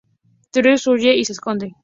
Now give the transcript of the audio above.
Trish huye y se esconde.